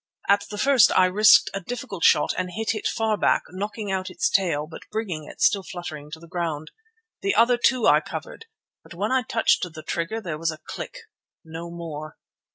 At the first I risked a difficult shot and hit it far back, knocking out its tail, but bringing it, still fluttering, to the ground. The other, too, I covered, but when I touched the trigger there was a click, no more.